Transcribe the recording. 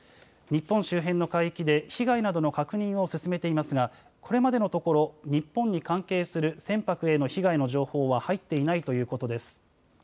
日本周辺の海域で被害などの確認を進めていますが、これまでのところ日本に関係する船舶への被害の情報は入っていないということです。